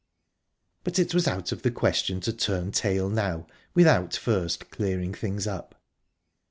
But it was out of the question to turn tail now, without first clearing things up.